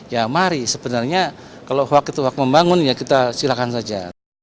ya mari sebenarnya kalau waktu itu hak membangun ya kita silakan saja